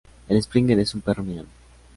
El Springer es un perro mediano.